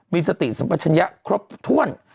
มีสติสัมปัชญะครบถ้วน